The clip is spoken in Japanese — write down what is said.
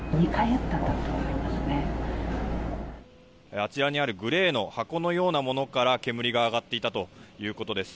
あちらにあるグレーの箱のようなものから煙が上がっていたということです。